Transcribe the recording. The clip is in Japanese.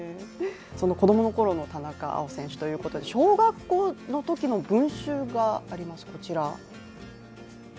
その子供の頃の田中碧選手ということで小学校の頃の文集があります。